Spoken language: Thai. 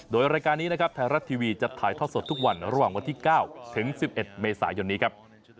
โดยรายการนี้นะครับไทยรัฐทีวีจะถ่ายทอดสดทุกวันระหว่างวันที่๙ถึง๑๑เมษายนนี้ครับ